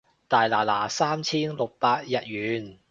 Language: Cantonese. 大拿拿三千六百日圓